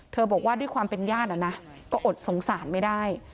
บอกว่าด้วยความเป็นญาตินะก็อดสงสารไม่ได้